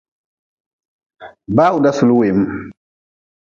Bawda suli weem.